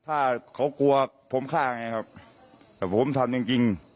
ถ้าเขากลัวผมฆ่าไงครับแต่ผมทำจริงจริง